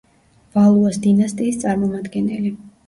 ვალუას დინასტიის წარმომადგენელი.